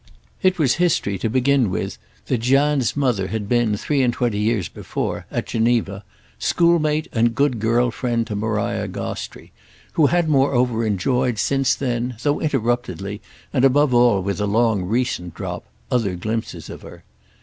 It was history, to begin with, that Jeanne's mother had been three and twenty years before, at Geneva, schoolmate and good girlfriend to Maria Gostrey, who had moreover enjoyed since then, though interruptedly and above all with a long recent drop, other glimpses of her.